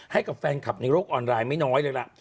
ให้กับแฟนคลับในโลกออนไลน์ไม่น้อยเลยล่ะ